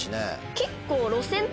結構。